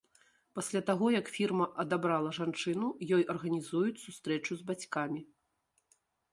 Пасля таго як фірма адабрала жанчыну, ёй арганізуюць сустрэчу з бацькамі.